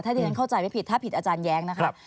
ถ้าที่หนึ่งเข้าใจไปผิดถ้าผิดอาจารย์แย้งนะคะ